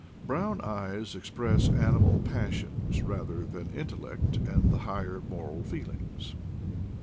Brown eyes express animal passions rather than intellect and the higher moral feelings.